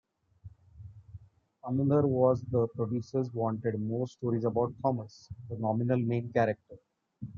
Another was that the producers wanted more stories about Thomas, the nominal main character.